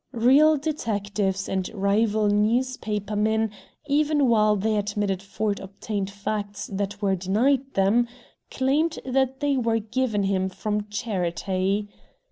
Real detectives and rival newspaper men, even while they admitted Ford obtained facts that were denied them, claimed that they were given him from charity.